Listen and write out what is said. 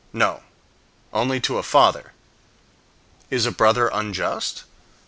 No, only to a father. Is a brother unjust?